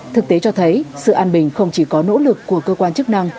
thực tế cho thấy sự an bình không chỉ có nỗ lực của cơ quan chức năng